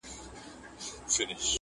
پر كورونو د بلا، ساه ده ختلې؛